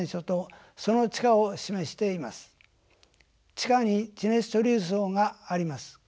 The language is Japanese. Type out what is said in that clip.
地下に地熱貯留層があります。